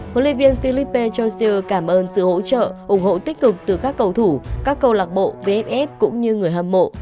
hội liên viên philippe châu siêu cảm ơn sự hỗ trợ ủng hộ tích cực từ các cầu thủ các cầu lạc bộ vff cũng như người hâm mộ